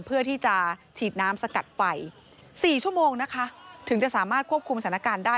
เพื่อที่จะฉีดน้ำสกัดไฟ๔ชั่วโมงนะคะถึงจะสามารถควบคุมสถานการณ์ได้